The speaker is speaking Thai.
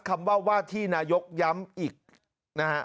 คำว่าว่าที่นายกย้ำอีกนะฮะ